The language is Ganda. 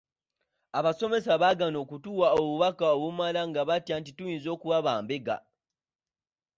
Abasomesa baagaana okutuwa obubaka obumala nga batya nti tuyinza okuba bambega.